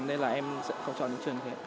nên là em sẽ không chọn những trường như thế